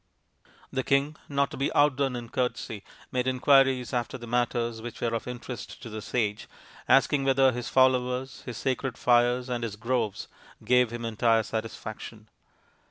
The king, not to be outdone in courtesy, made inquiries after the matters which were of interest to the sage, asking whether his followers, his sacred fires, and his groves gave him entire satisfaction.